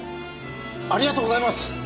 ありがとうございます！